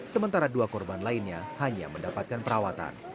sementara dua korban lainnya hanya mendapatkan perawatan